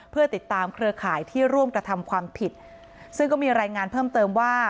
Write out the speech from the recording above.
เพื่อติดตามเครือข่ายที่ร่วมกระทำความผิดซึ่งก็มีรายงานเพิ่มเติมว่า